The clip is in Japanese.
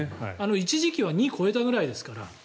一時期は２を超えたぐらいですから。